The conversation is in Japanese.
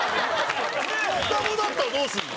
双子だったら、どうするの？